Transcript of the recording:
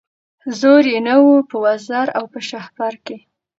زور یې نه وو په وزر او په شهپر کي